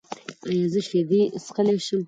ایا زه شیدې څښلی شم؟